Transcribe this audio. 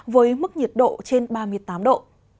với mức nhiệt độ trên ba mươi tám độ